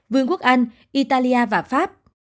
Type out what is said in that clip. vương quốc anh italia và pháp